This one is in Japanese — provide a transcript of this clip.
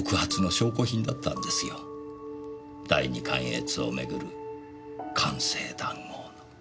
第二関越をめぐる官製談合。